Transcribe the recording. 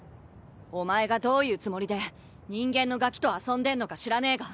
お前がどういうつもりで人間のガキと遊んでんのか知らねえが。